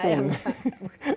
bukan ayam kentak asal